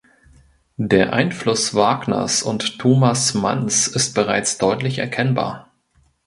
Der Einfluss Wagners und Thomas Manns ist bereits deutlich erkennbar.